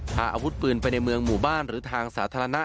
พาอาวุธปืนไปในเมืองหมู่บ้านหรือทางสาธารณะ